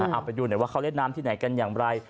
เอาไปดูหน่อยว่าเขาเล่นน้ำที่ไหนกันอย่างไร